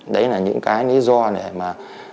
đấy là những cái lý do để mà